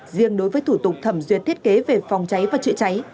riêng đối với thủ tục thẩm duyệt thiết kế về phòng cháy và chữa cháy